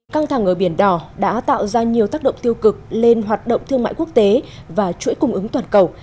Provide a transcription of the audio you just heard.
căng thẳng ở biển đỏ đã tạo ra nhiều tác động tiêu cực lên hoạt động thương mại quốc tế và chuỗi cung ứng toàn cầu